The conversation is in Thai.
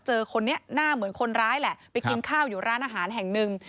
คนนี้หน้าเหมือนคนร้ายแหละไปกินข้าวอยู่ร้านอาหารแห่งหนึ่ง